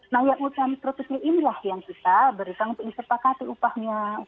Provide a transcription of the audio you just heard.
nah yang usaha mikro kecil inilah yang kita berikan untuk disepakati upahnya